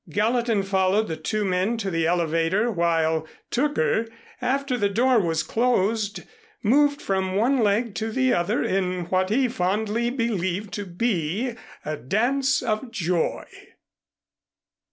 Gallatin followed the two men to the elevator, while Tooker, after the door was closed, moved from one leg to the other in what he fondly believed to be a dance of joy.